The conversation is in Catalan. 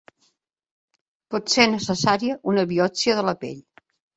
Pot ser necessària una biòpsia de la pell.